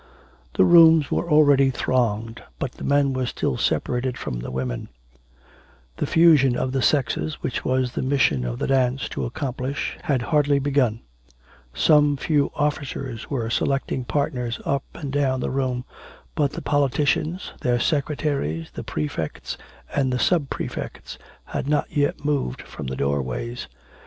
The rooms were already thronged, but the men were still separated from the women; the fusion of the sexes, which was the mission of the dance to accomplish, had hardly begun. Some few officers were selecting partners up and down the room, but the politicians, their secretaries, the prefects, and the sub prefects had not yet moved from the doorways.